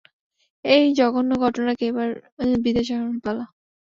এই জঘন্য গ্রহটাকে এবার বিদায় জানানোর পালা!